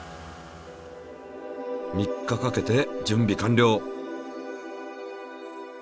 ３日かけて準備完了。